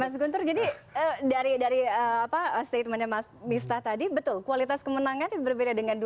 mas guntur jadi dari statement nya mas bistah tadi betul kualitas kemenangan ini berbeda dengan dua ribu empat belas